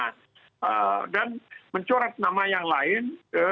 nah dan mencoret nama yang lain